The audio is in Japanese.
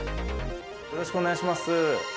よろしくお願いします。